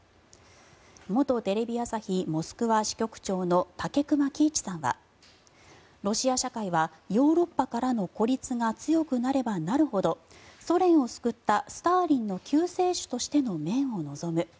元テレビ朝日モスクワ支局長の武隈喜一さんはロシア社会はヨーロッパからの孤立が強くなればなるほどソ連を救ったスターリンの救世主としての面を望む。